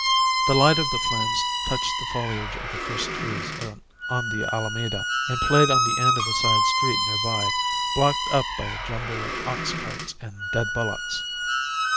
The light of the flames touched the foliage of the first trees on the Alameda, and played on the end of a side street near by, blocked up by a jumble of ox carts and dead bullocks.